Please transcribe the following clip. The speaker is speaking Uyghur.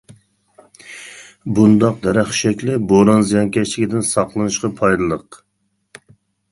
بۇنداق دەرەخ شەكلى بوران زىيانكەشلىكىدىن ساقلىنىشقا پايدىلىق.